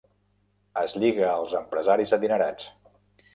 Es lliga als empresaris adinerats.